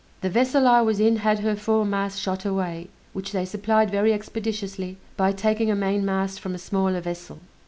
The vessel I was in had her foremast shot away, which they supplied very expeditiously by taking a mainmast from a smaller vessel.